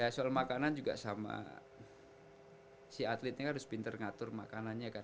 soal makanan juga sama si atletnya harus pinter ngatur makanannya kan